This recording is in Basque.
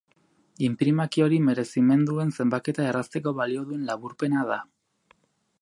Inprimaki hori merezimenduen zenbaketa errazteko balio duen laburpena da.